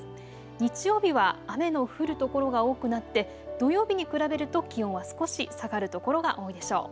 日曜日は雨の降る所が多くなって土曜日に比べると気温は少し下がるところが多いでしょう。